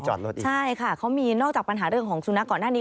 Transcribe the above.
อีกใช่ค่ะเขามีนอกจากปัญหาเรื่องของสุนัขก่อนหน้านี้